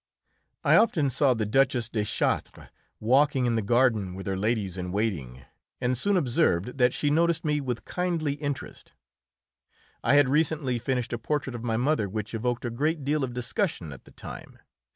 I often saw the Duchess de Chartres walking in the garden with her ladies in waiting, and soon observed that she noticed me with kindly interest. I had recently finished a portrait of my mother which evoked a great deal of discussion at the time.